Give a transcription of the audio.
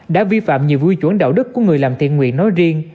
đã vi phạm nhiều quy chuẩn đạo đức của người làm thiện nguyện nói riêng